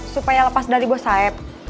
supaya lepas dari bos saeb